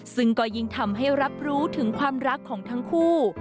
ซึ่งก็ยิ่งทำให้รับรู้ถึงความรักของทั้งคู่